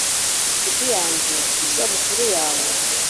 nshuti yanjye, ku isabukuru yawe